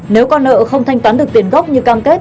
nếu con nợ không thanh toán được tiền gốc như cam kết